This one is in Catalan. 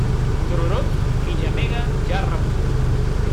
Tururut, qui gemega ja ha rebut.